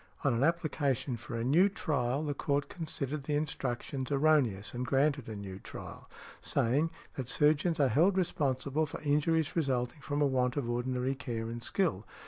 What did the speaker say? On an application for a new trial the court considered the instructions erroneous and granted a new trial, saying: "that surgeons are held responsible for injuries resulting from a want of ordinary care and skill.